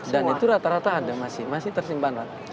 dan itu rata rata ada masih tersimpan